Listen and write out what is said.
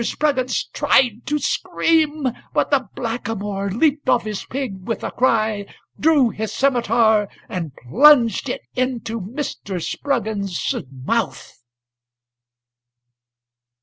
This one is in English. Spruggins tried to scream, But the blackamoorLeapt off his pigWith a cry, Drew his scimitar, And plunged it into Mr. Sprugginsâs mouth.